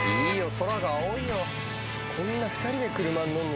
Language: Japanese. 空が青いよ。